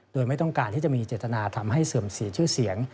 โดยไม่ต้องการที่จะมีเจตนาทำให้เสื่อมเสียชื่อเสียง